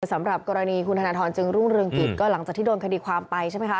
สำหรับกรณีคุณธนทรจึงรุ่งเรืองกิจก็หลังจากที่โดนคดีความไปใช่ไหมคะ